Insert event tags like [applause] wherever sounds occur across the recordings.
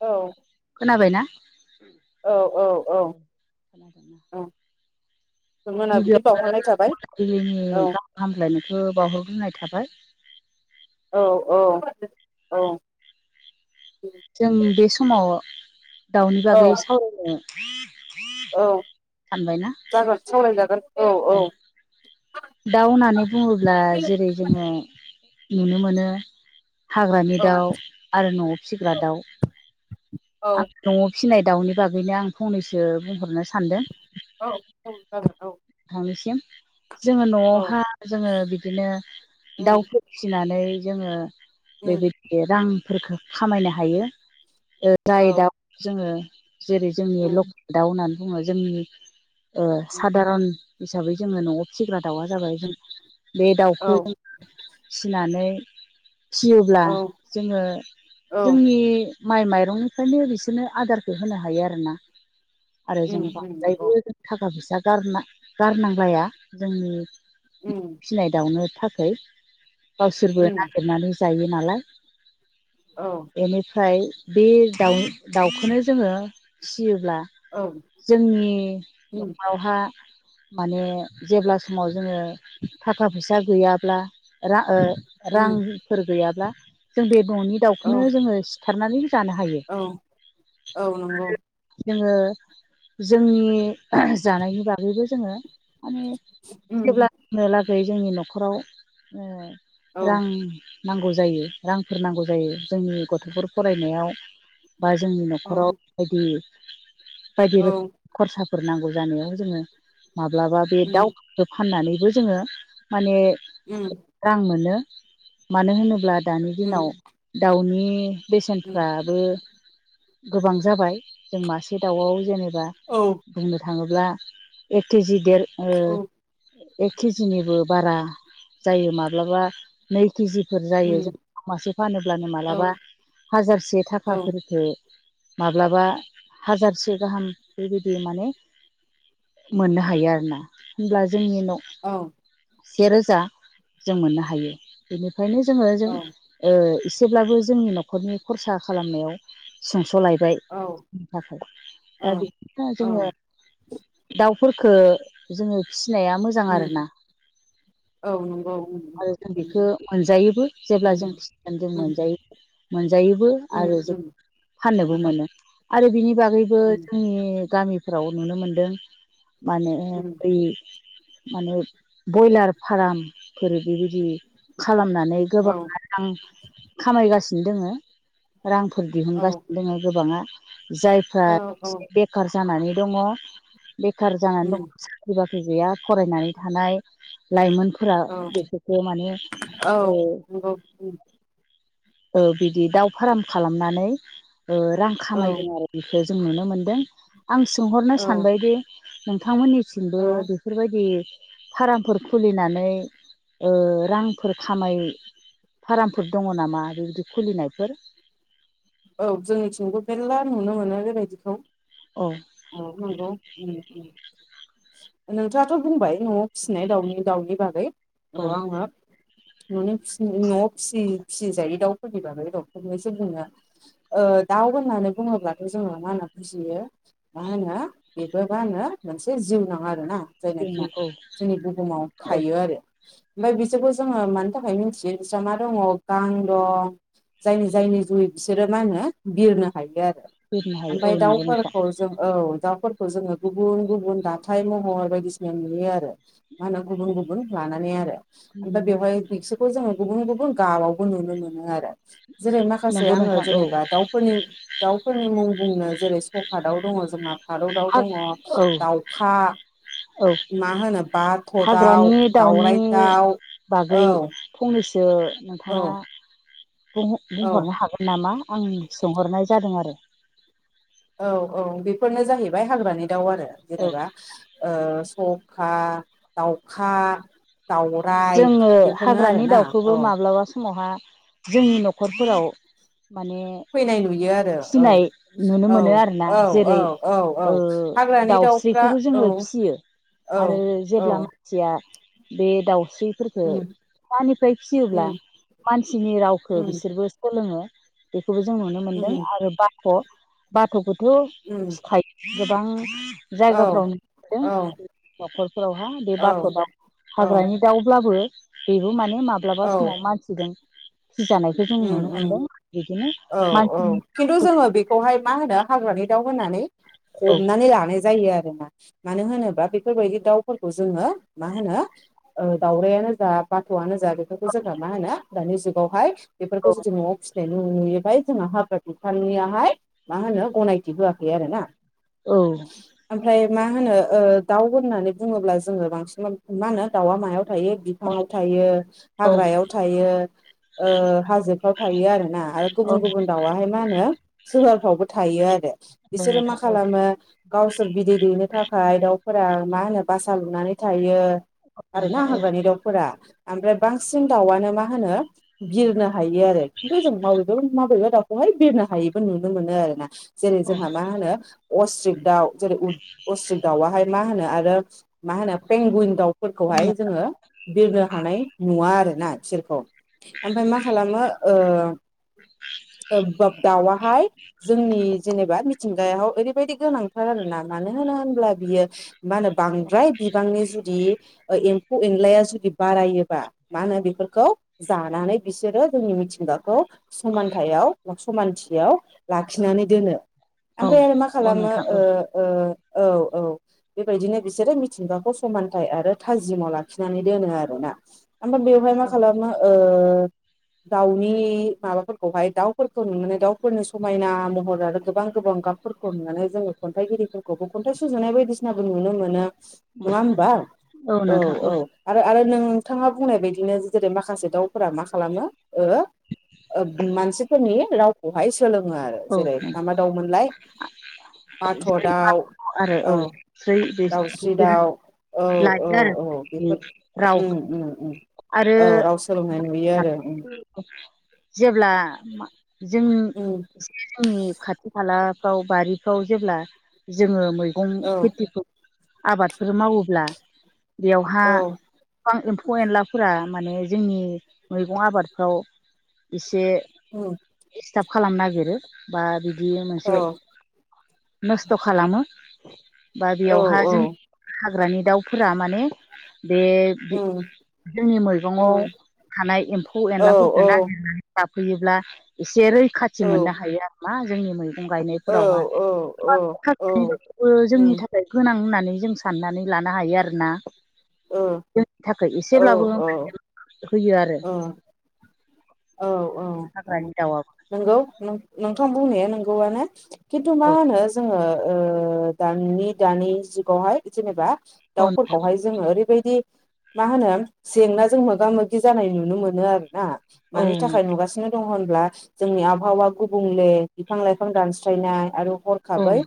औ खोनाबायना? औ औ औ खोनादोंना? औ मोना बिदि गिबियावनो बावहरनाय थाबाय मोनाबिलिनि औ गाहाम हामलायनायखौ बावहरग्रोनाय थाबाय [inaudible] औ औ औ जों बे समाव दाउनि औ बागै सावरायनो औ सानबायना जागोन सावराय जागोन औ औ दाउ ओननानै बुङोब्ला जेरै जोङो नुनो मोनो हाग्रानि औ दाउ आरो न'वाव फिसिग्रा आ दाउ औ न'वाव फिसिनाय दाउनि बागैनो आं फंनैसो बुंहरनो सानदों औ औ खोनादों औ सिम जोङो औ न'आवहा जोङो बिदिनो उम दाउफोर फिसिनानै जोङो उम [unintelligible] रांफोरखो खामायनो हायो ओ जाय औ दाउ जोङो जेरै जोंनि उम लकेल दाउ होननानै बुङो जोंनि ओ उम सादारन हिसाबै जोङो न'आव फिसिग्रा दाउआ जाबाय जों बे दाउखौ औ जों फिसिनानै फियोब्ला औ जोङो औ जोंनि माइ माइरंनिफ्रायनो बिसोरनो आदारखौ होनो हायो आरोना आरो जों उम उम नंगौ बांद्रायबो जों थाखा फैसा गारना गारनांलाया जोंनि उम फिनाय दावनो थाखाय गावसोरबो उम नागिरनानै जायो नालाय औ फ्राय बे दाउ दाउखौनो जोङो फियो ब्ला औ जोंनि उम न'आवहा माने जेब्ला समाव जोङो थाखा फैसा गैयाब्ला रा ओ उम रांफोर गैयाब्ला जों बे न'नि औ दाउखौनो जोङो सिथारनानै जानो हायो औ औ नंगौ जोङो जोंनि जानायनि बागैबो जोङो माने उम जेब्लानोलागै जोंनि न'खराव औ रां नांगौ जायो रांफोर नांगौ जायो जोंनि गथ'फोर फरायनायाव बा जोंनि औ न'खराव बायदि बायदि औ रोखोम खरसाफोर नांगौ जानायाव जोङो माब्लाबा बे उम दाउ फाननानैबो जोङो माने उम रां मोनो मानो होनोब्ला दानि उम दिनाव दाउनि उम बेसेनफ्राबो गोबां जाबाय जों मासे दावाव जेनेबा औ बुंनो था थाङोब्ला एक केजि देर ओ औ एक केजिनिबो बारा जायो माब्लाबा नै किजिफोर जायो उम जों मासे फानोब्लानो औ मा्लाबा हाजारसे औ थाखाफोरखो माब्लाबा हाजारसे गाहाम बेबायदि माने मोननो हायो आरो ना। होमब्ला जोंनि न' औ सेरोजा जों मोननो हायो। बेनि ओंखायनो जोङो जों औ ओ इस जेब्लाबो जोंनि न'खरनि खरसा खालामनायाव सुंस'लाय बाय औ [unintelligible] दा औ बेदिनो जोङो औ दाउ फोरखौ जोङो फिसिनाया मोजां उम आरोना। औ नंगौ उम आरो जों उम बेखौ मोनजायोबो जेब्ला उम जों खृस्टियान [unintelligible] जों उम मोनजायो मोनजायोबो उम आरो जों उम फाननोबो उम मोनो। आरो बिनि बागैबो उम जोंनि गामिफ्राव नुनो मोनदों मा होनो? उम माने बयलार फार्मफोर बेबायदि खालामनानै औ गोबाङानो रां खामायगासिनो दोङो। रांफोर औ दिहुनगासिनो दङ गोबाङा जायफ्रा औ औ एसेबेखार जानानै दङ बेखार जानानै दङ। उम बाख्रि बाख्रि गैया फरायनानै थानाय लाइमोन फोरा औ बेफोरखौ माने औ नंगौ उम ओ बिदि दाउ फार्म खालामनानै रां औ खामायदों आरो बेखौ जों नुनो मोनदों आं सोंहरनो औ सानबायदि नोंथांमोननि सिमबो औ बेफोरबायदि फार्मफोर खुलिनानै ओ रांफोर खामायो फार्मफोर दङ नामा बेबायदि खुलिनायफोर? औ जोंनिथिंबो मेरला नुनो मोनो। बेबायदिखौ औ औ नंगौ नोंथाङाथ' बुंबाय न'आव फिसिनाय दाउनि दाउनि बागै औ नङा होनबा न'नि फिसि न'आव फिसि फिसिजायै दाउफोरनि बागै [unintelligible] ओ दाउ होननानै बुङोब्लाथ' जोङो मा होनना बुजियो मा होनो बेबो बा आंनो मोनसे जिउ नाङा आरोना जायनाखि जोंना औ जोंनि बुहुमाव औ थायो आरो। ओमफ्राय बिसोरखौ जोङो मानि थाखाय मिथियो बिसोरहा मा दङ गां दं। जायनि जायनि जुयै बिसोरो मा होनो बिरनो हायो आरो। बिरनो हायो औ ओमफ्राय नंगौ नोंथां दाउफोरखौ जों औ उफोरखौ जोङो गुबुन गुबुन दाथथाय महर बायदिसिना नुयो आरो मा होना गुबुन गुबुन थानानै आरो नुनो ओमफ्राय मोन बेवहाय बिसोरखौ जोङो गुबुन गुबुन गाबावबो नुनो मोनो आरो जेरै माखासे नंगौ आङो नोंथां औ जेनेबा दाउफोरनि दाउफोरनि मुं बुंनो जेरै स'खा दाउ दङ जोंहा भारताव दङ औ दावखा औ हाग्रानि दाउनि दाउराइ दाउ बागै औ फंनैसो सो औ नोंथाङा औ बुंहरनो हागोन नामा आं सोंहरनाय जादों आरो। औ औ बेफोरनो जाहैबाय हाग्रानि दाउ आरो औ जेनेबा ओ स'खा दाउखा दाउराइ जोङो बेफोरनो हाग्रानि आरोना दाउखौबो औ माब्लाबा समावहा जोंनि न'खरफोराव माने फैनाय नुयो आरो औ फिनाय नुनो औ मोनो आरोना औ औ जेरै औ औ ओ हाग्रानि दाउफ्रा दाउस्रिखौबो औ जोङो फिसियो औ आरो औ जेब्ला मानसिया बे दाउस्रिफोरफोरखौ उम फिसानिफ्राय फिसियोब्ला उम मानसिनि रावखौ उम बिसोरबो सोलोङो। बे खौबो जों नुनो मोनदों उम आरो बाथ' बाथ'खौथ' उम फिखायो गोबां। औ जायगाफ्राव नुदों औ न'खरफोरावहा बे बाथ' औ दाउ औ हाग्रानि दाव ब्लाबो बेबो माने माब्लाबा औ समाव मानसिजों फिजानायखौ जों उम नुनो उम मोनदों बिदिनो औ औ मानसिनि खिनथु जोङो बेखौहाय मा होनो हाग्रानि दाउ होनानै औ हमनानै लानाय जायो आरो। आरोना बाथ'आनो जा बेफोरखौ जों मा होनो नुयैहाय जोंहा हाब्रा बिफाननियाहाय मा होनो गनायथि होआखै आरोना। औ मा होनो ओ दाउ होननानै बुङोब्ला जोङो बांसिन मा होनो दाउआ मायाव थायो औ बिफांडाव थायो औ हाग्रायाव थायो ओ हाजोफ्राव थायो आरो ना आरो औ गुबुन गुबुन दाउआहाय मा होनो सोहोरफ्रावबो थायो आरो। बिसोरो मा नोंथां औ खालामो गावसोर बिदै दैनो थाखाय दाउ फोरा मा होनो बासा लुनानै थायो आरो ना नोंथां हाग्रानि दाउफोरा। ओमफ्राय बांसिन दाउआनो मा होनो बिरनो हायो आरो खिन्थु जों माव माबेबा दाउखौहाय बिरनो हायिबो नुनो मोनो आरोना जेरै औ जोंहा मा होनो अस्ट्रिक दाउ जेरै उट अस्ट्रिक दाउआहाय मा होनो आरो मा होनो पेंगुइन दाउ औ फोरखौहाय जोङो बिरनो हानाय नुवा आरो ना बिसोरखौ। ओमफ्राय मा खालामो ओ [unintelligible] दाउआहाय जोंनि जेनेबा मिथिंगायाव ओरैबायदि गोनांथार आरो ना मानो होनो होनब्ला बियो मा होनो बांद्राय बिबांनि जुदि एम्फौ एनलाया जुदि बारायोबा मा होनो बेफोरखौ जानानै बिसोरो जोंनि मिथिंगाखौ समानथायाव बा समानथियाव लाखिनानै दोनो। औ ओमफाय आरो मा औ खालामो नोंथां औ ओ ओ औ औ। बेबायदिनो बिसोरो मिथिंगाखौ समानथाइ आरो थाजिमाव लाखिनानै दोनो आरोना। ओफ्राय बेवहाय मा औ खालामो ओ दाउनि माबाफोरखौहाय दाउफोरखौ नुनानै दाउफोरनि समायना महर आरो गोबां गोबां गाबफोरखौ नुनानै जोङो खन्थाइगिरिफोरखौबो खन्थाइ सुजुनाय बायदिसिनाबो नुनो मोनो। नङा होमबा औ औ आरो आरो नोंथाङा बुंनाय बायदिनो जेरै माखासे दाउफोरा मा खालामो ओ ओ मानसिफोरनि रावखौहाय सोलोङो आरो औ जेरै नंगौ माबा दावउमोनलाय बाथ' जेरै दाउ आरो औ जै दाउस्रि बिसोरो दाउ औ औ लायो औ आरो बेफोर राव उम उम उम आरो औ राव सोलोंनाय नुयो आरो उम। जेब्ला जों उम जोंनि खाथि खाथि खालाफ्राव बारिफ्राव जेब्ला जोङो मैगं औ खेथिखौ आबादफोर मावोब्ला बेयावहा औ बिफां एमफु एनलाफोरा माने जोंनि मैगं आबादफ्राव इसे औ दिस्टाब खालामनो नागिरो बा बिदि मोनसे औ नस्थ' खालामो बा औ बेयावहाय औ जों ग्रानि दाउफोरा माने बे उम जोंनि मैगंआव उम थानाय एम्फौ औ एनलाफोरफोरखौ नागिरनानै जाफैयोब्ला एसे रैखाथि औ मोननो हायो आरोना जोंनि मै मैगं औ गायनायफोरावहा औ औ औ [unintelligible] जोंनि उम थाखाय गोनां होननानै जों साननानै लानो हायो आरोना ओ जोंनि थाखाय औ एसेब्लाबो औ ओ होयो आरो औ औ औ हाग्रानि दाउआबो खिन्थु मा औ होनो जोङो ओ दानि दानि जुगावहाय जेनेबा औ नोंथां दाउफोरखौहाय जोङो ओरैबायदि मा होनो जेंनाजों मोगा मोगि जानाय नुनो मोनो आरो ना। औ मानि थाखाय नुगासिनो दं होनना। जोंनि आबहावा गुबुंले बिफां लाइफां दानस्रायनाय आरो औ हरखाबै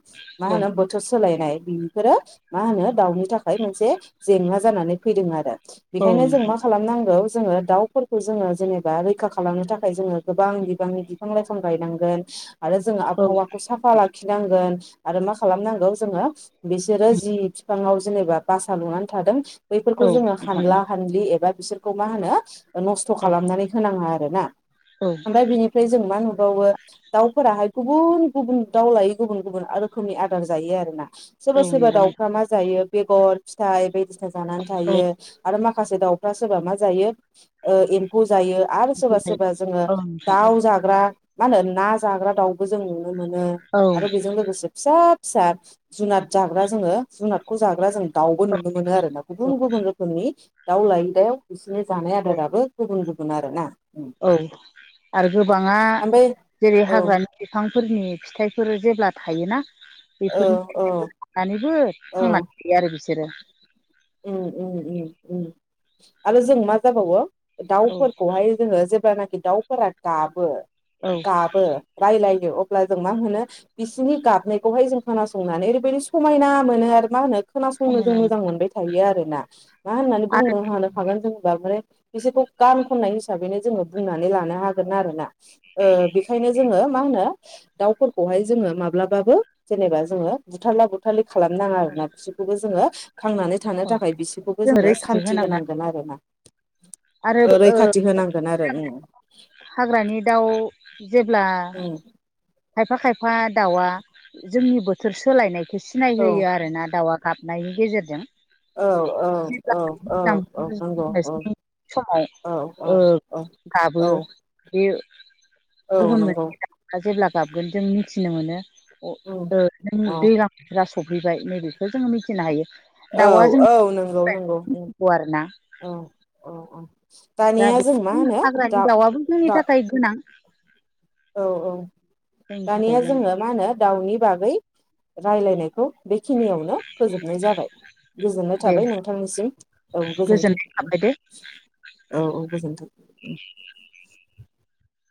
मा औ होनो बोथोर सोलायनाय बेफोरो मा होनो दाउनि थाखाय मोनसे जेंना जानानै फैदों आरो। औ बेखायनो जों नोंथां मा खालामनांगौ जोङो दाउफोरखौ जोङो जेनेबा बा रैखा खालामनो थाखाय जोङो गोबां बिबांनि बिफां-लाइफां गायनांगोन। आरो जोङो औ आबहावाखौ साफा लाखिनांगोन। आरो मा खालामनांगौ जोङो बिसोरो जि फिफाङाव जेनेबा बासा लुनानै थादों। बैफोरखौ औ जोङो नोंथां हानला हानलि एबा बिसोरखौ मा होनो नस्थ' खालामनानै होनाङा आरो ना औ ओमफाय बिनिफ्राय जों मा नुबावो दाउफोराहाय गुबुन गुबुन दाउ लायो गुबुन गुबुन रोखोमनि आदार जायो आरो ना। सोरबा औ सोरबा नंगौ नोंथां दाउफ्रा मा जायो बेगर फिथाइ बायदिसिना जानानै औ थायो आरो माखा खासे दाउफ्रा सोरबा मा जायो ओ एमफौ जा जायो आरो सोरबा सोरबा जोङो औ नोंथां औ दाउ जाग्रा मा होनो ना जाग्रा दाउबो जों मोनो औ आरो बिजों लोगोसे फिसा फिसा जुनाद जाग्रा जोङो जुनार खौ जाग्रा जों दाउबो नुनो मोनो आरो ना गुबुन गुबुन रोखोमनि दाउ लायै दाव बिदिनो जानाय आदाराबो गुबुन गुबुन आरो ना। औ आरो गोबाङा ओमफ्राय जेरै औ हाग्रानि बिफां फोरनि फिथाइफोर जेब्ला थायोना। औ बेफोरनि औ [unintelligible] थांनानै थायो आरो बिसोरो ओम ओम ओम ओम आरो जों मा जाबावो। औ दाउफोरखौहाय जोङो जेब्लानाखि दाउफोरा गाबो। औ गाबो रायलायो अ ब्लाजों मा होनो बिसिनि गाबनायखौहाय जों ख़नानै ओरैबायदि समायना मोनो आरो मा होनो? खोनासंनो जों समायना मोजां मोनबाय थायो आरो ना मा होननानै बुंनो हानो हागोन जेनबा ओमफ्राय बिसोरखौ गान खननाय हिसाबैनो जोङो बुंनानै लानो हागोन आरो ना ओबेखायनो जोङो मा होनो दाउफोरखौहाय जोङो माब्लाबाबो जेनेबा जोङो बुथारला बुथारलि खालामनाङा आरोना बिसोरखौबो जोङो थांनानै थानो औ थाखाय बिसोरखौबो जों जोङो रैखाथि सान्ति आरो होनांगोन आरोना। ओ रैखाथि होनांगोन आरो ओम हाग्रानि दाउ जेब्ला खायफा खायफा दाउआ जोंनि बोथोर सोलायनाय सिनाय औ होयो आरो ना दाउआ गाबनायनि गेजेरजों औ औ औ औ औ नंगौ औ [unintelligible] समाव औ औ ओ औ गाबो औ बियो औ गुबुन नंगौ मोनसे दावा जेब्ला गाबगोन जों मिथिनो मोनो। अ उम ओ औ दैलां बोथोरा स'फैबाय नैबेखौ जोङो मिथिनो हायो। औ दाउआ जों औ नोंगौ नोंगौ मिथिगौ आरोना ओम औ औ औ दा दानिया बे जों मा होनो हाग्रानि दा दाउआबो जोंनि दा थाखाय गोनां औ औ जोंनि थाखाय दानिया जोङो गोनां मा होनो दाउनि बागै रायलायनायखौ बेखिनियावनो फोजोबनाय जाबाय । गोजोननाय दे थाबाय नोंथांनिसिम औ गोजोन्थों गोजोननाय थाबाय दे । औ औ गोजोन्थों ।